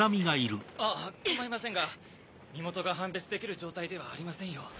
ああ構いませんが身元が判別できる状態ではありませんよ。